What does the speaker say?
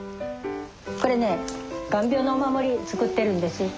これね眼病のお守り作ってるんです。